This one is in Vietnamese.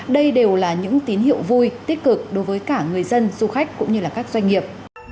đây đều là những tín hiệu vui tích cực đối với cả người dân du khách cũng như các doanh nghiệp